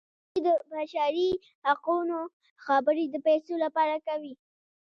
دوی د بشري حقونو خبرې د پیسو لپاره کوي.